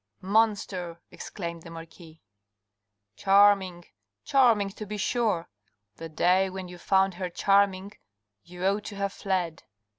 " Monster," exclaimed the marquis. " Charming ! Charming, to be sure ! The day when you found her charming you ought to have fled."